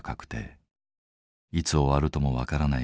いつ終わるとも分からない